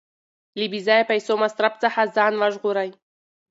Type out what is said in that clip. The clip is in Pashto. له بې ځایه پیسو مصرف څخه ځان وژغورئ.